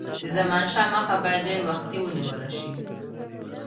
د زمانشاه مخه باید ډېر وختي ونیوله شي.